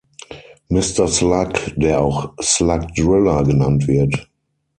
Mister Slug, der auch Slug Driller genannt wird.